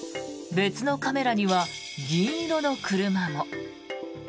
別のカメラには銀色の車も。